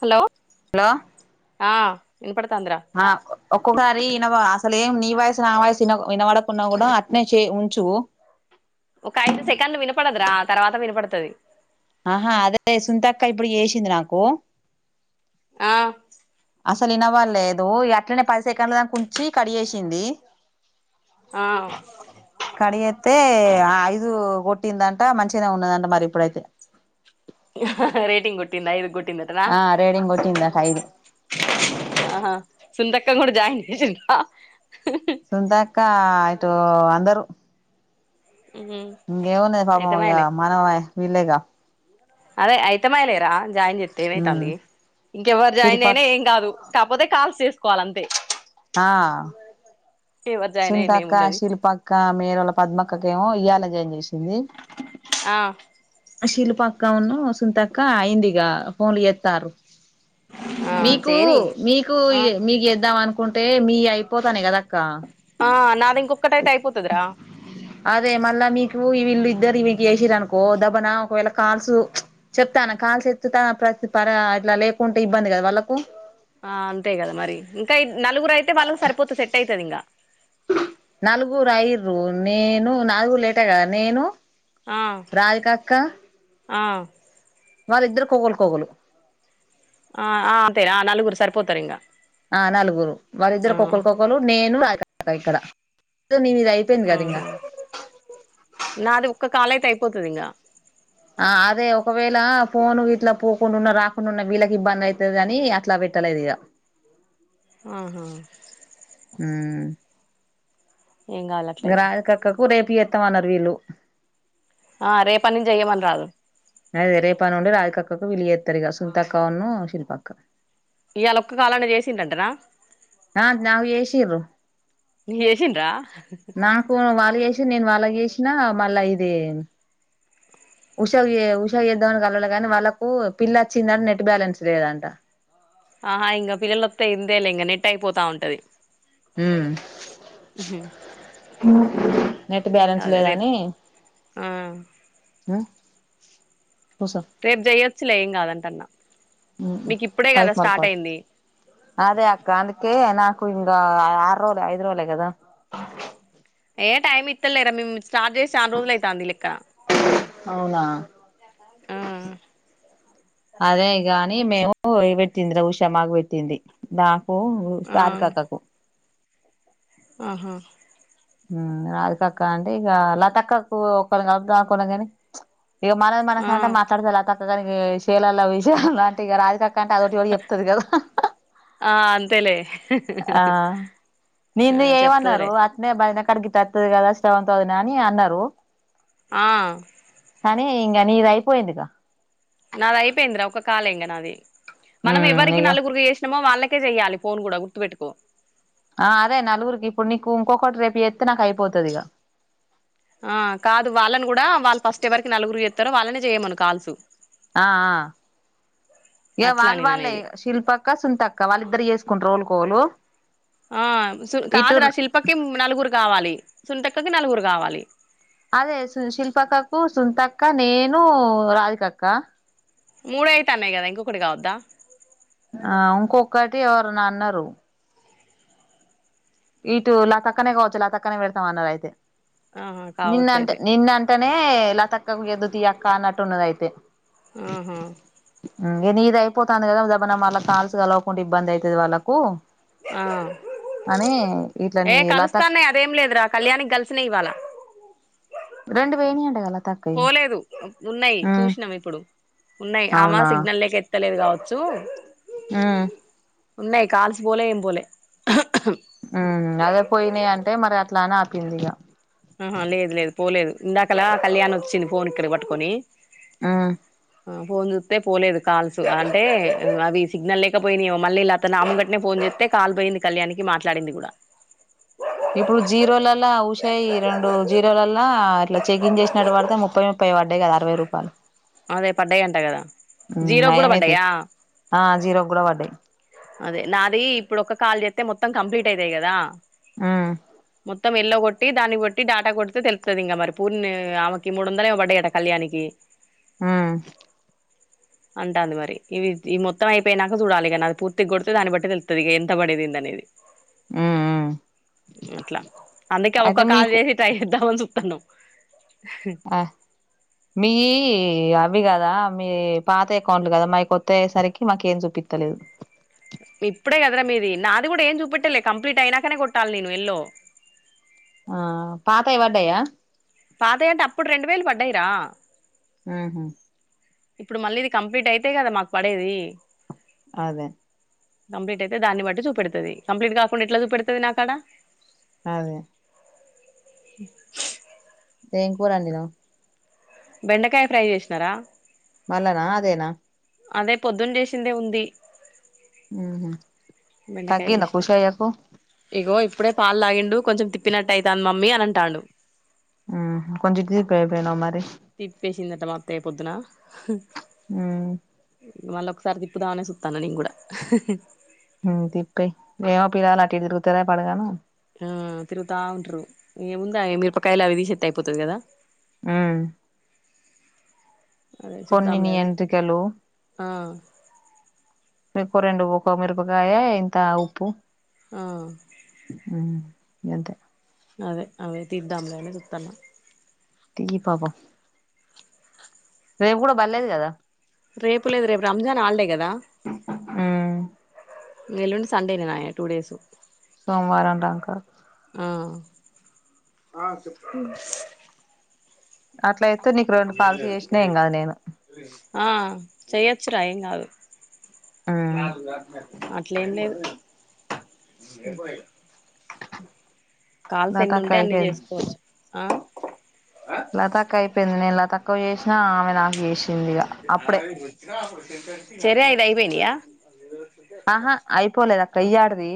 Hello hello ఆ వినపడతాందిరా ఆ ఒక్కొ గారినవ అసలు ఏం నీ వయసు నా వాయసున వినబడకున్నా కూడా అట్నే చే ఉంచు ఆ తర్వాత వినపడుతది ఆహా అదే సుంతక్క ఇప్పుడు చేసింది నాకు అ అసలు వినవ్వలలేదు, ఇగ అట్లనే పది సెకండ్ల దాక ఉంచి కడిజేసింది. ఆ కడిజేతే ఆ ఐదు కొట్టిందంట, ఆ మంచినే ఉన్నదంట మరి ఇప్పుడైతే. రేటింగ్ కుట్టింద ఐదు కుట్ ఆ రేడింగ్ కొట్టిందా ఐదు ఆహా సుందక్క కూడా జాయిన్ చేసిండ్రా సుంతాక్క ఎటో అందరు ఇంగేమున్నది పాపం ఇగ అయితమాయలే మనవై వీళ్లేగా అదే ఐతే మాయేలేరా జాయిన్ చేత్తే ఏమైతంది, ఇంకెవ్వరు జాయిన్ శిల్ప అయినా ఏం కాదు, కాపోతే కాల్స్ చేస్ కోలంతే ఆ జాయిన్ అయినా సుంతాక్క ఏమున్నది శిల్పక్క మేరొల్లా పద్మక్కకేమో ఇయాల నేను జేసి సింది ఆ శిల్పక్క ఉన్ను సుంతక్క అయిందిగ ఫోన్లు ఏత్తార్రూ ఆ మీకు చేయని మీకు, ఆ మీకు ఎద్దాం అనుకు కుంటే మీ అయిపోతాన్నై కదా అక్క ఆ నాది ఇంకా ఒక్కటయితే అయిపోతదిరా ను ఈ వీళ్ళు ఇద్దరు వీళ్ళ చేసిరనుకో, దబనా ఒకవేళ కాల్సు ప్చ్ చెప్తాన్న కాల్స్ ఎత్తుత పర ఇట్లా లేకుంటే ఇబ్బంది కదా వాళ్ళకు. ఆ అంతేగద మరి, ఇంకా ఇద్ నలుగురు అయితే వాళ్ళకి సరిపోతది సెట్ ఐతది ఇంగా నల్గుూరు ఐర్రూ, నేను నాది గుడ లేటే గద, నేను ఆ రాదికాక్క ఆ వాళ్ళ ఇద్దరు ఓగలు కోగలు ఆ ఆ అంతే ఆ నలుగురు సరిపోతరు ఇంగ ఆ నలుగురు వాళ్ళద్దరు కొక్కలు కొక్కలు నేను రా ఇక్కడ నేను ఇది అయిపోయింది కద ఇంగ ఆహా కాలైతే అయిపోతది ఇంగా ఆ అదే ఒకవేళ ఫోను ఇట్లా పోకుండున్న రాకుండా ఉన్న వీళ్ళకి ఇబ్బంది ఐతదనీ, అట్లా పెట్టలేదు ఇగ ఆహా ఏం కాదులే అట్లయితే గ్రాది కక్కకు రేప్ కి ఏత్తమన్నారు వీళ్ళు ఆ రేపన్నుంచి జెయ్యమనరాదు అదే రేపన్నుండి రాధికక్కకు వీళ్ళు జేత్తారిక సుమ్తక్క వున్ను శిల్పక్క ఇయాళ ఒక్క కాల్ అన్నా చేసిండంటనా ఆ నాకు ఏషిర్రు చేసిండ్రా నాకు వాళ్ళు ఏ [unintelligible] నేను వాళ్ళకు చేసినా మళ్ళా ఇది ఉషాకు ఏ ఉషాకు చేద్దామని కలవలే కాని వాళ్ళకు పిల్ల వచ్చిందని నెట్ బ్యాలెన్స్ లేదంట ఆహా ఇంకా పిల్లలొత్తే ఇందే లే ఇంగ నెట్ ఐపోతా ఉంటది ఉమ్మ్ ఉహు నెట్ ఏం బ్యాలెన్స్ కాదులే రేపు లేదని ఆ రేపు చెయ్యొచ్చులే ఏం కాదంట అన్న ఉమ్మ్ పైపు మల్కడ అయింది అదే అక్క అందుకే నాకు గే ఆరు రోలే ఐదు రోలే కదా ఏ టైమ్ ఇత్తల్లేరా మి [unintelligible] స్టార్ట్ చేసి చానా రోజులైతాంది ఈ లెక్క అవునా ఊమ్మ్ నీ మేము [unintelligible] పెట్టిందిరా ఉష మాకు బెట్టింది ద పు ఆ రాధికక్కకు ఆహా ఉమ్మ్ రాధికక్క అంటే ఇగ లతక్కకు ఒకని కలుపుదామని అనుకున్నా గాని ఇగ మనది ఆ మనకంటే మాట్లాడదా లత తదానికి చేేలల్ల [unintelligible] కక్కంట అదోటి ఇదొటి చెప్తది కదా ఆ అంతేలే ఆ ఆ నింది చెయ్ చెప్తదిలే మన్నరు అట్నే బ ఐనకాడికి గితత్తది కదా సెవన్ తౌజనే అని అన్నారు ఆ కానీ ఇంగ నీది అయిపోయిందిగా నాది అయిపోయిందిరా ఒక కాల్ ఏ ఇంగ నాది మనం ఉమ్ ఎవరికి ఇగ నలుగురికి చేసినమో వాళ్ళ కే చెయ్యాలి ఫోన్ కూడా గుర్తుపెట్టుకో ఆ అదే నలుగురికి ఇప్పుడు నీకు ఇంకొకటి రేపు జేత్తే నాకు అయిపోతది ఇగ ఆ కాదు వాళ్ళని కూడా వాళ్ళు ఫస్ట్ ఎవరికి నలుగురికి చేత్తరో వాళ్ళనే చెయ్యమను కాల్సు ఆ ఆ ఇగ అట్లా వాళ్లు నేను వాళ్ళే అనేది శిల్పక్క సుంతక్క వాళ్ళిద్దరు ఏస్ కుంటరు వోలు కోలు ఆ సు కాదురా శిల్పకి ఉమ్ నలుగురు కావాలి సుంత క్కకి నలుగురు కావాలి అదే సు శిల్పక్కకు సుంతక్క నేను రాధికక్క మూడయితాన్నాయి కదా ఇంకొకటి కావద్దా ఆ ఉంకొక్కటి ఎవరునన్నారు ఇటు లతక్కనే కావచ్చు లతక్కనే పెడతాం అన్నది అయితే ఆహా నిన్ను కావచ్చు అంటే అయితే నిన్న అంట మే లతక్కకు ఇయ్యద్దు తీ అక్క అన్నట్టు ఉన్నదైతే ఆహా పోతంది కదా జబన మళ్ళ కాల్స్ కలవకుంటే ఇబ్బంది అయితది వాళ్ళకు ఆ అని ఇట్లా ఏ నీ లతక్ కలుస్తాన్నాయ్ అదేం లేదురా కళ్యాణికి కలిసినయ్ ఇవాళ రెండు వోయినయ్ అంటగదా పోలేదు ఉన్నయ్ చూసినాం ఇప్పుడు ఉన్నయి ఆమ అవునా సిగ్నల్ లేక ఎ త్తలేదు కావచ్చు హ్మ్ ఉన్నయి కాల్స్ పోలే ఏం పోలే ఉమ్ అదే పోయినాయ్ అంటే మరి అట్లాన ఏందిగా అహ లేదు లేదు పోలేదు ఇందాకలా కళ్యాణి వచ్చింది ఫోన్ ఇక్కడికి పట్టుకొని ఆ ఆ ఫోన్ జూత్తే పోలేదు కాల్స్ అంటే అవి సిగ్నల్ లేకపోయినయ్ ఏమో, మళ్ళీ లత నా ముంగట్నే ఫోన్ జేత్తే కాల్ పోయింది కళ్యాణికి మాట్లాడింది కూడా, ఇప్పుడు జీరోలలా ఉషాయి రెండు జీరోలల్లా ఇట్లా చెకిన్ చేసినట్టు పడితే ముప్పై ముప్పై పడ్డయి కదా అరవై రూపాలు అదే పడ్డాయి అంట కదా జీరో కూడా నయమే తీ పడ్డాయా ఆ జీరోక్కూడ వడ్డయ్ అదే నాది ఇప్పుడు ఒక్క కాల్ జేత్తే మొత్తం కంప్లీట్ అయితాయి కదా ఆ మొత్తం ఎల్లో కొట్టి దాన్ని కొట్టి డాటా కొడితే తెలుపుతది ఇంగ మరి పూర్ణి ఆమెకి మూడు వందలు ఏమోబడ్డాయట కళ్యాణికి. ఆ అంటాంది మరి ఇవి ఈ మొత్తం అయిపోయినాక చూడాలి ఇగ నాది పూర్ తిగ్గొడుతే దాన్ని బట్టి తెళ్తది ఇగ ఎంత పడేది ఏంది అనేది ఉమ్ ఉమ్ అట్లా అందుకే ఒక్క అయితే కాలు మీకు చేసి ట్రై చేద్దామని చు కన్నో ఆ మీయి అ అవి కదా మీయి పాతయకౌంట్లు కదా మాయికొత్తయి అయేసరికి మాకు ఏం చూపిత్తలేదు ఇప్పుడే కదర మీది నాది కూడా ఏం చూపెట్టలే కంప్లీట్ అయినాకనే కొట్టాలి నేను ఎల్లో ఆ పాతయి వడ్డయా పాతయి అంటే అప్పుడు రెండు వేలు పడ్డాయిరా మ్మ్ హ్మ్ ఇప్పుడు మళ్ళీ ఇది కంప్లీట్ అయితే కదా మాకు పడేది అదే కంప్లీట్ అయితే దాన్ని బట్టి చూపెడుతది కంప్లీట్ కాకుండా ఎట్లా చూపెడుతది నాకు ఆడ అదే ఏం కూర వండినావ్ బెండకాయ ఫ్రై చేసినారా వాళ్ళానాదేనా అదే పొద్దున్న చేసిందే ఉంది ఉమ్ బెండకాయ తగ్గిందా చేసిన ఖుషి అయ్యాకు ఇగో ఇప్పుడే పాలుతాగిండు కొంచెం తిప్పినట్టటు అవుతాను మమ్మీ అని అంటాను కొంచెం [unintelligible] మరి తిప్పేసిందట మాత్త య్య పొద్దున ఉమ్ మళ్ళీ ఒకసారి తిప్పుదామనే చూస్తాను నేను కూడా తిప్పే ఏమ పిలాలలా అటిదిరుకు తరా పడగాన ఆ తిరుగుతా ఉంటారు ఏముందా మి రపకాయలా అవి తీసిస్తే అయిపోతుంది కదా ఆ అదే కొన్ని నీ చూద్దాంలే అని ఎంటుకలు ఆ మీకు రెండు ఉకో మిరపకాయ ఇంత ఉప్పు ఆ హ్మ్మ్ ఎంతే అదే అవే తీరుద్దాములేనే చూతన్నా తీ పవ రేపు కూడా బర్లేదు కదా రేపు లేదు రేపు రంజాన్ హాలిడే కదా ఉ ఎల్లుండి సండే నినాయా టూ డేస్ సోమవారంట అంకుల్ ఆ చెప్ప అట్ల అయితే నీకు రెండు కాల్స్ చేసినాం కదా నేను చ్చ రా ఏం కాదు [unintelligible] అట్లే ఏం లేదు కాల్స్ నా ఎన్ని ఉంటే తక్కువ అన్ని చేసుకోవచ్చు ఆ లతాకాయ [unintelligible] పెంది న ఇలా తక్కువ చేసినా ఆమె నాకు చేసింది ఇగా [unintelligible] చెర ఇద అయిపోయినయా ఆహా అయిపోలేదా కయ్యాడది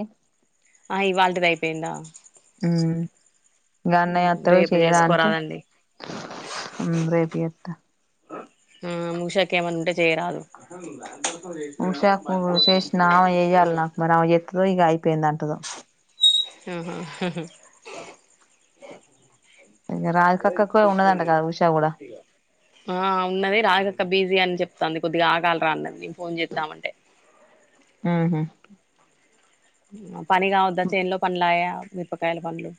ఆ ఇవాళటి ది అయిపోయిందా గన్నయాత్రలు రేపు చేయాల అంటే చేసుకోరాదండి రేపు ఎత్త ఆ ముూషకే ఏమంది ఉంటే చేయరాదు ఉషాకు చేసిన ఎయ్యాల నాకు మరి ఎతు పెందాంటదో ఆహా హ ఇగ రాధికక్కకు ఉన్నదంట కదా ఉషా కూడా ఉన్నడి రాగక్క బిజీ అని చెప్తుాంది కొద్దిగా ఆగాల్రా అన్నది ఫోన్ చెద్దామంటే ఊహు అ పని కావోద్దా చేన్లో పనులాయే మిరపకాయల పండ్లు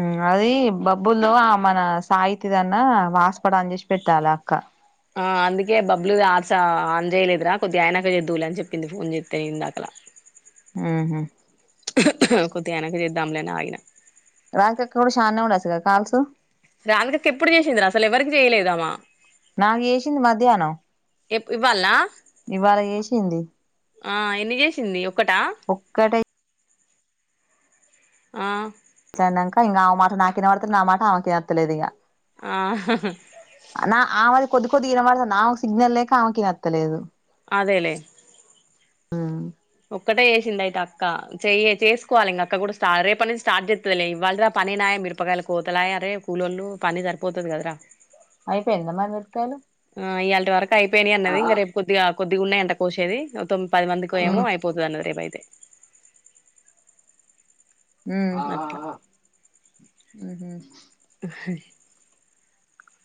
అ అది బబ్బుల్లో ఆ మన సాహితీదన్న వాస్పాట్ అన్ చేసి పెట్టాలే అక్క ఆ అందుకే బబ్లుది ఆస్ స ఆన్ చేయలేదురా కొద్దిగా అయినాక చేదువులే అని చెప్పింది ఫోన్ చేతె ఇందాకలా మ్ హ కొద్ధిగాగినంక చేద్దామ్లే అని ఆగిన రాదికక్క కూడా ఛాన్నే ఉండచ్చు కదా కాల్స్ రాధికక్క ఎప్పుడు చేసిందిరా అసలు ఎవరికి చేయలేదామా నాకు చేసింది మధ్యాహ్నం ఎప్ ఇవ్వాల్నా ఇవాళ చేేసింది ఆ ఎన్ని చేసింది ఒక్కటా ఒక్కటే ఆ నంక ఇంగ ఆమె మాట నాకినవ్వడ్త నా మాట ఆమె కినత్త లేదు ఇగ ఆ నా ఆమెది కొద్ది కొద్దిగ వినపడు ఆమెకు సిగ్నల్ లేక ఆమెకినత్తలేదు అదేలేే హ ఒక్కటే చేసింది అయితే అక్క చెయ్యే చేసుకోవాలి ఇంగ అక్క కూడా స్టర్ రేపట్నుండి స్టార్ట్ చేస్తుందిలే ఇవ్వాల్టిదా పనేనాయే మిరపకాయల కోతలాయే రే కూలళ్ళు పని సరిపోతది కదరా అయిపోఇంద మర్ ఆ ఇయ్యాల్టీ వరకు అయిపోయినాయి అన్నది ఇంగ రేపు కొద్దిగా కొద్దిగున్నాయంట కోసేది తొం పది మందికొ ఏమో ఉమ్ అయిపోతదన్నది రేపుయితే తే మ్ ఉహు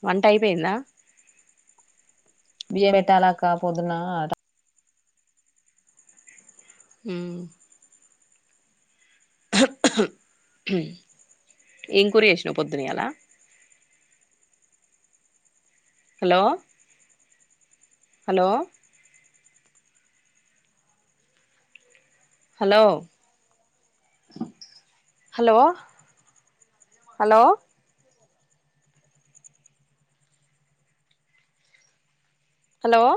వంట అయిపోయిందా బియ్య పెట్టాలక్క పోదున ట ఉ ఏం కూర చేసినావ్ పొద్దున ఇయ్యల hello hello hello hello hello hello